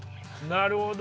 なるほど。